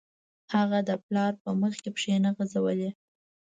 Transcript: هغه د پلار په مخکې پښې نه غځولې